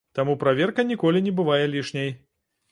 Таму праверка ніколі не бывае лішняй.